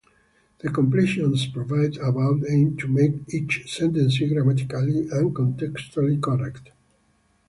The completions provided above aim to make each sentence grammatically and contextually correct.